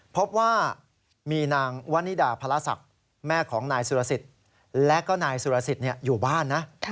พบว่ามีนางวันนิดาพระศักดิ์แม่ของนายสุรสิทธิ์และก็นายสุรสิทธิ์อยู่บ้านนะ